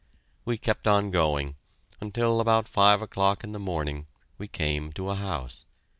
We kept on going, until about five o'clock in the morning we came to a house.